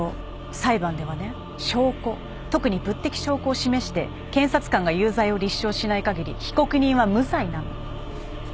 裁判ではね証拠特に物的証拠を示して検察官が有罪を立証しないかぎり被告人は無罪なの。